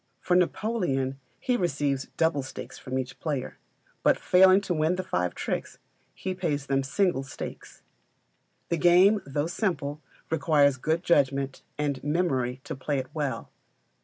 For Napoleon he receives double stakes from each player; but failing to win the five tricks, he pays them single stakes. The game, though simple, requires good judgment and memory to play it well.